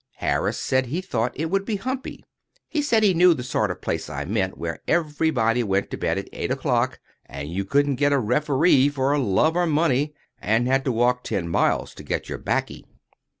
Harris said he thought it would be humpy. He said he knew the sort of place I meant; where everybody went to bed at eight o'clock, and you couldn't get a Referee for love or money, and had to walk ten miles to get your baccy.